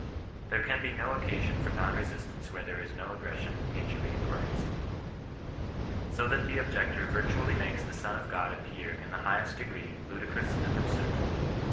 There can be no occasion for non resistance where there is no aggression, injury, or insult. So that the objector virtually makes the Son of Ood appear in the highest degree ludicrous and absurd.